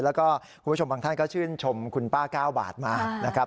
แล้วก็คุณผู้ชมบางท่านก็ชื่นชมคุณป้า๙บาทมากนะครับ